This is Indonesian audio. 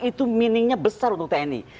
itu meaningnya besar untuk tni